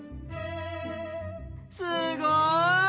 すごい！